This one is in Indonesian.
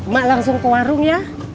mak langsung ke warung ya